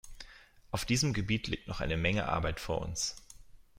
Auf diesem Gebiet liegt noch ein Menge Arbeit vor uns.